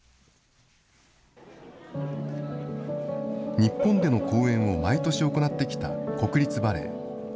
日本での公演を毎年行ってきた国立バレエ。